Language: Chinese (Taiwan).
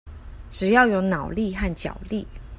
只有腦力和腳力